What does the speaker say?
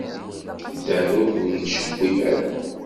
Dan ur ken-yettcewwil ara.